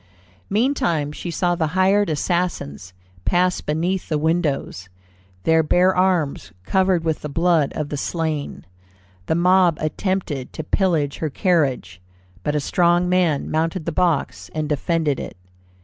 Meantime she saw the hired assassins pass beneath the windows, their bare arms covered with the blood of the slain. The mob attempted to pillage her carriage, but a strong man mounted the box and defended it.